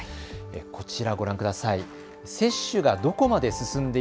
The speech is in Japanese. こちら、ご覧ください。